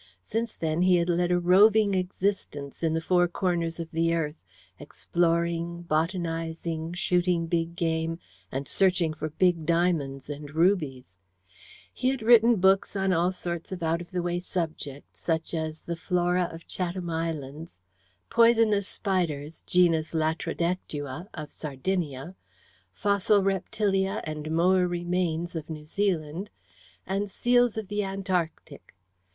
Since then he had led a roving existence in the four corners of the earth, exploring, botanizing, shooting big game, and searching for big diamonds and rubies. He had written books on all sorts of out of the way subjects, such as "The Flora of Chatham Islands," "Poisonous Spiders (genus Latrodectua) of Sardinia," "Fossil Reptilia and Moa Remains of New Zealand," and "Seals of the Antarctic."